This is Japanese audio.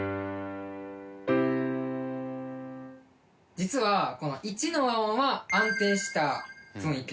実はこのⅠの和音は安定した雰囲気。